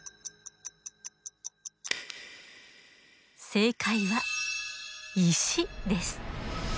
正解は石です。